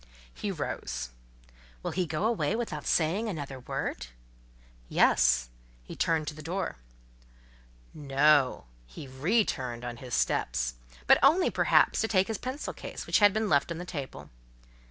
He rose. "Will he go away without saying another word?" Yes; he turned to the door. No: he re turned on his steps; but only, perhaps, to take his pencil case, which had been left on the table.